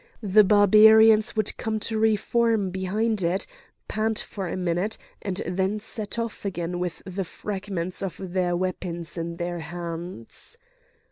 The Barbarians would come to re form behind it, pant for a minute, and then set off again with the fragments of their weapons in their hands.